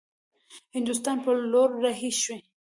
هندوستان پر لور رهي شي.